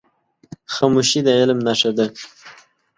خاموشي، د علم نښه ده.